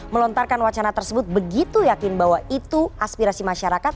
melontarkan wacana tersebut begitu yakin bahwa itu aspirasi masyarakat